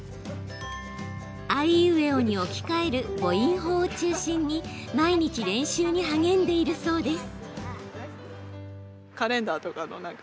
あいうえおに置き換える母音法を中心に毎日、練習に励んでいるそうです。